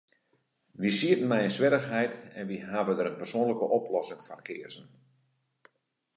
Wy sieten mei in swierrichheid, en wy hawwe dêr in persoanlike oplossing foar keazen.